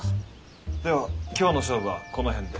では今日の勝負はこの辺で。